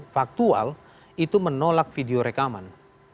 faktual itu menolak video rekaman